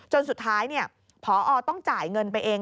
จนสุดท้ายพอต้องจ่ายเงินไปเอง